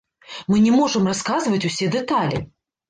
Мы не можам расказваць усе дэталі!